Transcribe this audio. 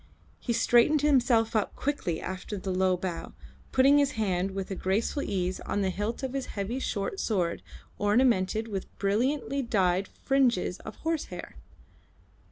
He straightened himself up quickly after the low bow, putting his hand with a graceful ease on the hilt of his heavy short sword ornamented with brilliantly dyed fringes of horsehair.